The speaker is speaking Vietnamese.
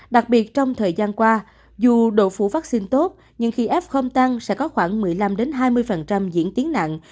đặc biệt trong thời gian qua dù độ phủ vaccine tốt nhưng khi f tăng sẽ có khoảng một mươi năm hai mươi diễn tiến nặng